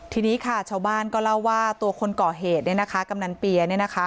ทีนี้ค่ะชาวบ้านก็เล่าว่าตัวคนก่อเหตุกำนันเปียน